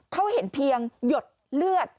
เขาเห็นเพียงหยดเลือด